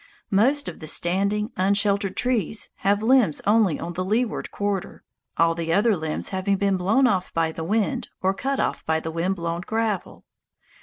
Most of the standing, unsheltered trees have limbs only on the leeward quarter, all the other limbs having been blown off by the wind or cut off by the wind blown gravel.